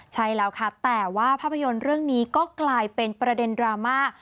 ใช่แล้วค่ะแต่ว่าภาพยนตร์เรื่องนี้ก็กลายเป็นประเด็นดราม่า